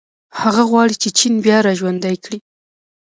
هغه غواړي چې چین بیا راژوندی کړي.